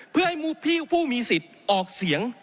เพื่อให้ผู้มีสิทธิ์ออกเสียง